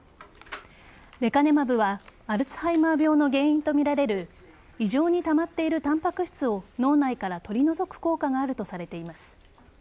レカネマブはアルツハイマー病の原因とみられる異常にたまっているタンパク質を脳内から取り除く効果があるとされています。